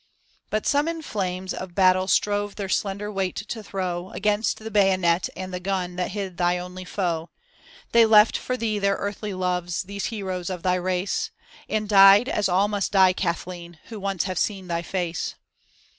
But some in flames of battle strove their slender weight to throw Against the bayonet and the gun that hid thy only foe; THE SAD YEARS THEY DID NOT SEE THY FACE (Continued) They left for thee their earthly loves, these heroes of thy race, And died, as all must die, Kathleen, who once have seen thy face.